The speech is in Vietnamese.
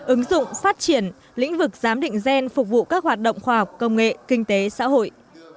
ứng dụng phát triển lĩnh vực giám định gen phục vụ các hoạt động khoa học công nghệ kinh tế xã hội